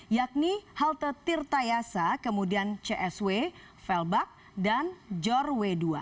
yakni halte tirta yasa kemudian csw felbak dan jorwe